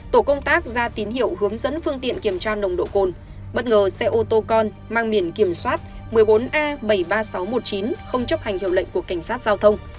tổ công tác ra tín hiệu hướng dẫn phương tiện kiểm tra nồng độ cồn bất ngờ xe ô tô con mang biển kiểm soát một mươi bốn a bảy mươi ba nghìn sáu trăm một mươi chín không chấp hành hiệu lệnh của cảnh sát giao thông